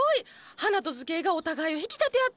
花と図形がお互いを引き立て合ってる。